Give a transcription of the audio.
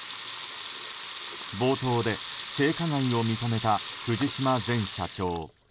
冒頭で性加害を認めた藤島前社長。